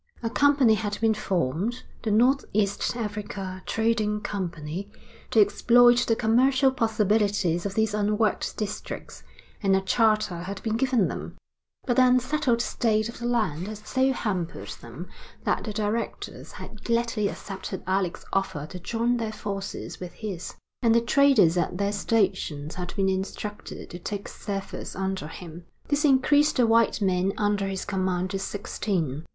A company had been formed, the North East Africa Trading Company, to exploit the commercial possibilities of these unworked districts, and a charter had been given them; but the unsettled state of the land had so hampered them that the directors had gladly accepted Alec's offer to join their forces with his, and the traders at their stations had been instructed to take service under him. This increased the white men under his command to sixteen.